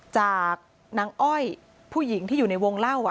จากนางอ้อยผู้หญิงที่อยู่ในวงเล่า